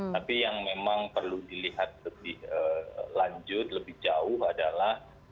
tapi yang memang perlu dilihat lebih lanjut lebih jauh adalah